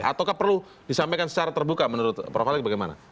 atau perlu disampaikan secara terbuka menurut prof alek bagaimana